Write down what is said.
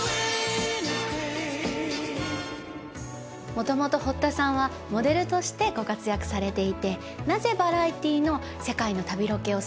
もともと堀田さんはモデルとしてご活躍されていてなぜバラエティーの世界の旅ロケをするようになったんですか？